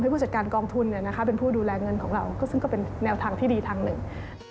ผู้จัดการกองทุนเป็นผู้ดูแลเงินของเราซึ่งก็เป็นแนวทางที่ดีทางหนึ่ง